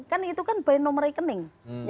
karena itu kan by nomor rekening